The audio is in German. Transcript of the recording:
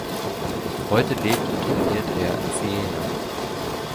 Heute lebt und trainiert er in Siena.